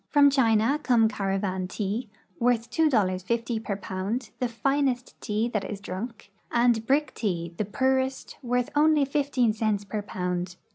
From China come caravan tea, worth $2.50 per pound, the finest tea that is drunk, and brick tea, the poorest, worth only 15 cents per pound.